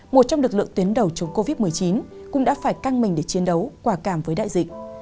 một trong lực lượng tuyến đầu chống covid một mươi chín cũng đã phải căng mình để chiến đấu quả cảm với đại dịch